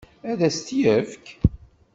Ad as-t-yefk?